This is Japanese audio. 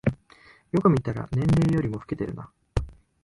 よく見たら年齢よりも老けてるな